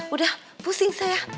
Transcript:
udah pusing saya